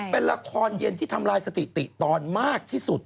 เป็นละครเย็นที่ทำลายสถิติตอนมากที่สุด